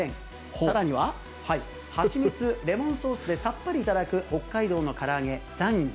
さらには、蜂蜜レモンソースでさっぱり頂く北海道のから揚げ、ザンギ。